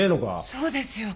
そうですよ。